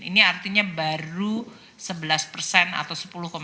ini artinya baru sebelas atau sepuluh sembilan